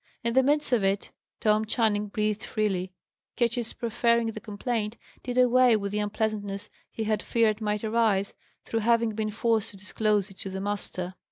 In the midst of it, Tom Channing breathed freely; Ketch's preferring the complaint, did away with the unpleasantness he had feared might arise, through having been forced to disclose it to the master.